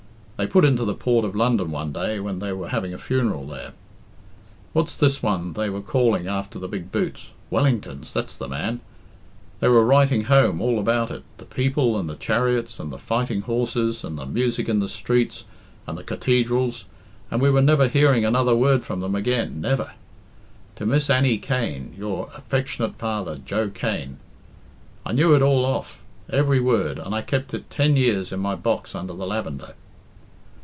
They put into the port of London one day when they were having a funeral there. What's this one they were calling after the big boots Wellingtons, that's the man. They were writing home all about it the people, and the chariots, and the fighting horses, and the music in the streets and the Cateedrals and we were never hearing another word from them again never. 'To Miss Annie Cain your affecshunet father, Joe Cain.' I knew it all off every word and I kept it ten years in my box under the lavender."